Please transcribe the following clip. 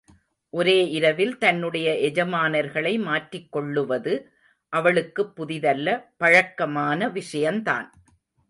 ஒரே இரவிலே தன்னுடைய எஜமானர்களை மாற்றிக் கொள்ளுவது அவளுக்குப் புதிதல்ல பழக்கமான விஷயந்தான்.